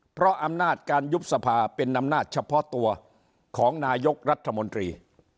เพราะอำนาจการยุบสภาเป็นอำนาจเฉพาะตัวของนายกรัฐมนตรี